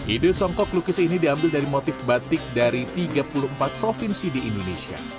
ide songkok lukis ini diambil dari motif batik dari tiga puluh empat provinsi di indonesia